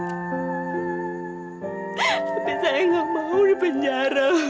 tapi saya nggak mau dipenjara